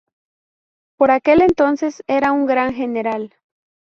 Por aquel entonces era un gran general.